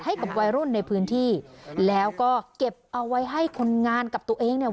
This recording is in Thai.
ให้กับวัยรุ่นในพื้นที่แล้วก็เก็บเอาไว้ให้คนงานกับตัวเองเนี่ย